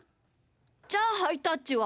じゃあハイタッチは？